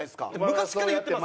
昔から言ってます。